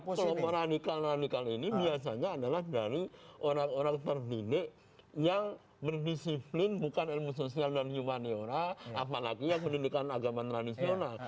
kelompok radikal radikal ini biasanya adalah dari orang orang terdidik yang mendisiplin bukan ilmu sosial dan humaniora apalagi yang pendidikan agama tradisional